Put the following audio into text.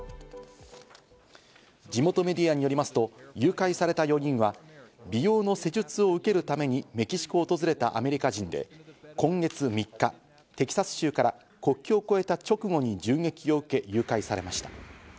地元メディアによりますと、誘拐された４人は美容の施術を受けるためにメキシコを訪れたアメリカ人で、今月３日、テキサス州から国境を越えた直後に銃撃を受け、誘拐されました。